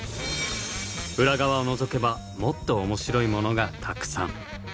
裏側をのぞけばもっと面白いものがたくさん。